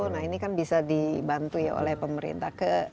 nah ini kan bisa dibantu ya oleh pemerintah